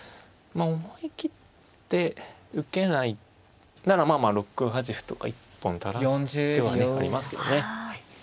思い切って受けないなら６八歩とか一本垂らす手はねありますけどね。